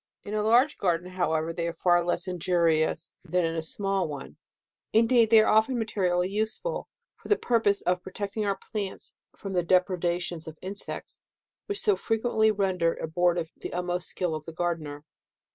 In a large garden, however, they are far less injurious than in a small one ; indeed they are often materially useful, for the pur pose of protecting our plants from the depre dations of insects, which so frequently render abortive the utmost skill of the gardener.